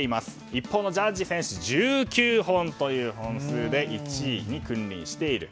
一方のジャッジ選手１９本という本数で１位に君臨している。